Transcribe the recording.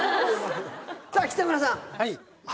さぁ北村さん。